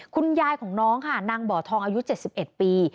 คุณยายของน้องค่ะนางบ่อทองอายุ๗๑ปี